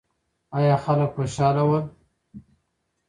ایا خلک خوشاله ول؟